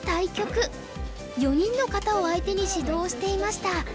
４人の方を相手に指導をしていました。